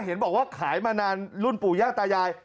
เห็นบอกว่าขายมานานรุ่นปู่ย่าตายาย